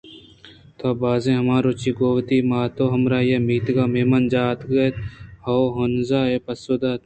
تو باریں ہما روچی گوں وتی مات ءِ ہمراہی ءَمیتگ ءِ مہمان جاہ ءَ اتکگ اتئے ؟ ہئو! ہانز اءَ پسو دات